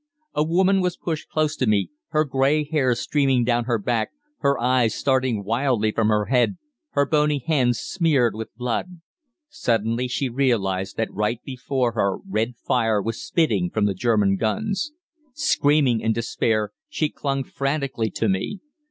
"A woman was pushed close to me, her grey hair streaming down her back, her eyes starting wildly from her head, her bony hands smeared with blood. Suddenly she realised that right before her red fire was spitting from the German guns. "Screaming in despair, she clung frantically to me.